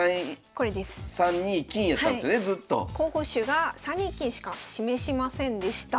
候補手が３二金しか示しませんでした。